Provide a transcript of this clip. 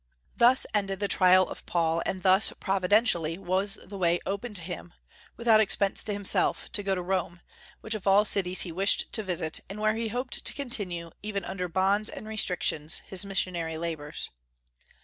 Thus ended the trial of Paul; and thus providentially was the way open to him, without expense to himself, to go to Rome, which of all cities he wished to visit, and where he hoped to continue, even under bonds and restrictions, his missionary labors.